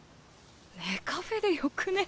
ネカフェでよくねぇ？